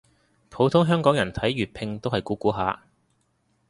普通香港人睇粵拼都係估估下